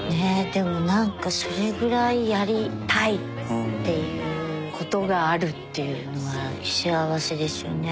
でも何かそれぐらいやりたい！っていうことがあるっていうのは幸せですよね。